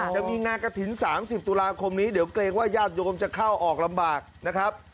จะมีงานกระถิ่น๓๐ตุลาคมนี้เดี๋ยวเกรงว่าญาติโยมจะเข้าออกลำบากนะครับ